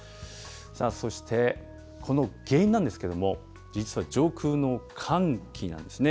そしてこの原因なんですけれども、実は上空の寒気なんですね。